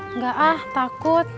enggak ah takut